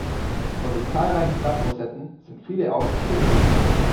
Von den zahlreichen Blattrosetten sind viele auch steril.